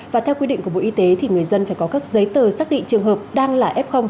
và theo quy định của bộ y tế thì người dân phải có các giấy tờ xác định trường hợp đang là f